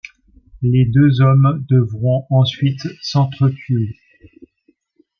Les deux hommes devront ensuite s'entretuer.